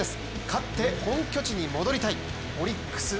勝って本拠地に戻りたいオリックス。